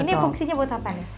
ini fungsinya buat apa nih